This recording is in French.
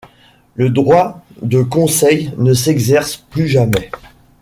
Le droit de conseil ne s'exerce plus jamais.